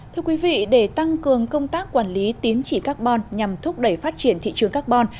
thưa quý vị để tăng cường công tác quản lý tín chỉ carbon nhằm thúc đẩy phát triển thị trường carbon